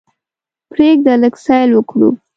پریږده لږ سیل وکړو.